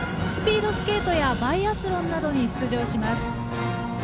スピードスケートやバイアスロンなどに出場します。